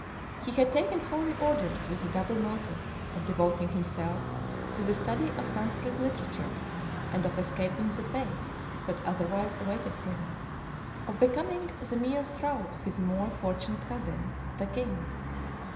He had taken holy orders with the double motive of devoting himself to the study of Sanskrit literature, and of escaping the fate, that otherwise awaited him, of becoming the mere thrall of his more fortunate cousin, the king.